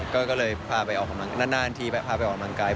ก็เลยพาไปออกกำลังนานทีพาไปออกกำลังกาย